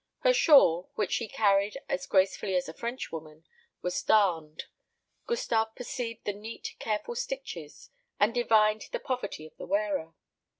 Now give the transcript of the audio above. Her shawl, which she carried as gracefully as a Frenchwoman, was darned. Gustave perceived the neat careful stitches, and divined the poverty of the wearer.